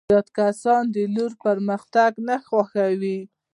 زیات کسان د لور پرمختګ نه خوښوي.